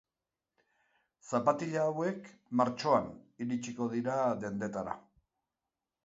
Zapatila hauek martxoan iritsiko dira dendetara.